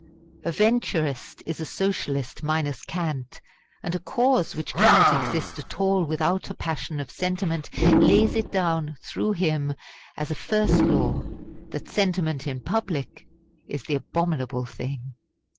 A Venturist is a Socialist minus cant, and a cause which cannot exist at all without a passion of sentiment lays it down through him as a first law, that sentiment in public is the abominable thing.